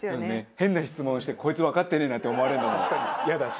変な質問してこいつわかってねえなって思われるのもイヤだし。